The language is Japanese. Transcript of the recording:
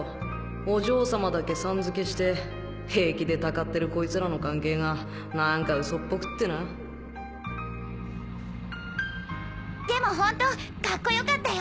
お嬢様だけ「さん」づけして平気でたかってるこいつらの関係が何かウソっぽくってなでもホントカッコよかったよ！